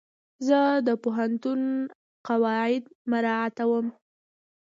زه د پوهنتون قواعد مراعتوم.